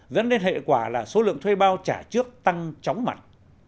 dẫn đến hệ quả là số lượng thuê bao trả trước tăng chóng mặt